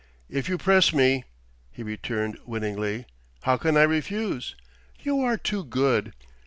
"If you press me," he returned winningly, "how can I refuse? You are too good!"